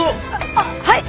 あっはい！